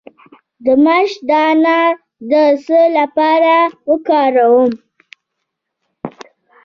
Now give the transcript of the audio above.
د ماش دانه د څه لپاره وکاروم؟